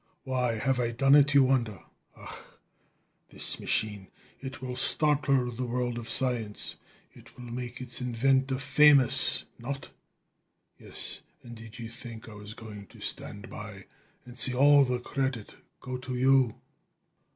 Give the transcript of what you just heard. Why have I done it, you wonder? Ach! This machine, it will startle the world of science; it will make its inventor famous not? Yes; and did you think I was going to stand by and see all the credit go to you?